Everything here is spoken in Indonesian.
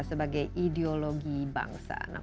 sebagai ideologi bangsa